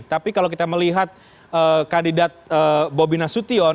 tapi kalau kita melihat kandidat bobi nasution